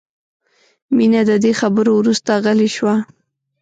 مینه د دې خبرو وروسته غلې شوه